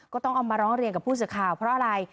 ก็ต้องเอามาร้องเรียนกับผู้สื่อข่าวเพราะอะไร